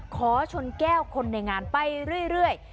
ขอชนแก้วคนในงานไปเรื่อย